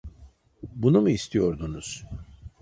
Bunu mu istiyordunuz?